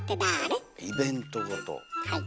はい。